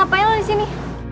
ngapain lo disini